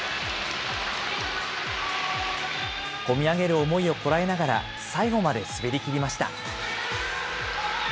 込み上げる思いをこらえながら、最後まで滑りきりました。